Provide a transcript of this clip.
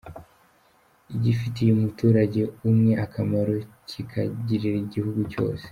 Igifitiye umuturage umwe akamaro kikagirira igihugu cyose.